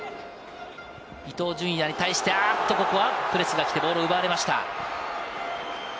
伊東純也に対して、ここはプレスが来てボールを奪われました。